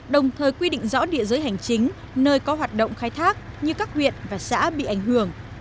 đồng thời quy định rõ địa giới hành chính nơi có hoạt động khai thác như các huyện và xã bị ảnh hưởng